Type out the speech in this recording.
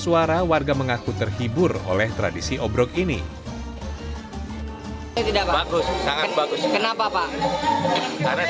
suara warga mengaku terhibur oleh tradisi obrok ini tidak bagus sangat bagus kenapa pak karena